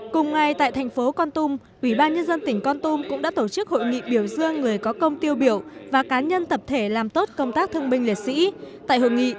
cùng ngày tại thành phố con tum ủy ban nhân dân tỉnh con tum cũng đã tổ chức hội nghị biểu dương người có công tiêu biểu và cá nhân tập thể làm tốt công tác thân bình liệt sĩ